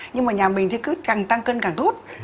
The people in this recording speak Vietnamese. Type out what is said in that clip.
nhưng mà nhà mình thì cứ càng tăng cân càng tốt